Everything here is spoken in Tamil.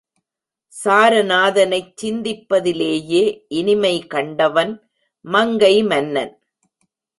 சாரநாதனைச் சிந்திப்பதிலேயே இனிமை கண்டவன் மங்கை மன்னன்.